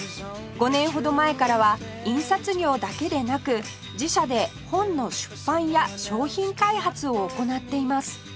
５年ほど前からは印刷業だけでなく自社で本の出版や商品開発を行っています